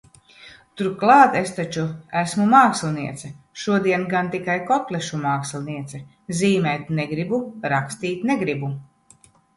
Turklāt es taču esmu māksliniece! Šodien gan tikai kotlešu māksliniece. Zīmēt negribu, rakstīt negribu.